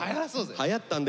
はやったんだよ